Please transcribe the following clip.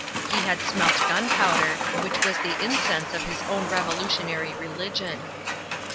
He had smelt gunpowder, which was the incense of his own revolutionary religion.